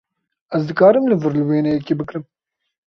Ez dikarim li vir wêneyekî bigirim?